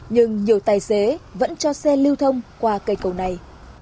nhưng nhiều tài xế vẫn cho xe lưu thông qua cây cầu này